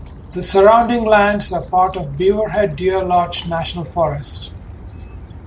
The surrounding lands are part of Beaverhead-Deerlodge National Forest.